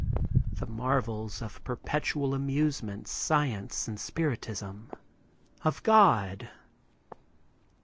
The marvels of perpetual amusements, science and spiritism—of God